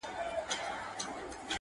طایر ځلاند چې یو ډېر ښه